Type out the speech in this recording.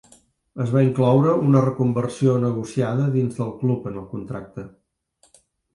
Es va incloure una reconversió negociada dins del club en el contracte.